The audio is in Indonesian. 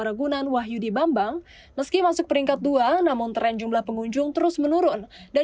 ragunan wahyudi bambang meski masuk peringkat dua namun tren jumlah pengunjung terus menurun dan